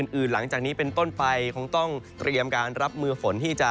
หลังจากนี้เป็นต้นไปคงต้องเตรียมการรับมือฝนที่จะ